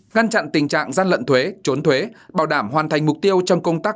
ngăn chặn tình trạng gian lận thuế trốn thuế bảo đảm hoàn thành mục tiêu trong công tác